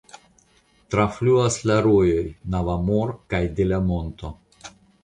Trafluas la rojoj Navamor kaj de la Monto.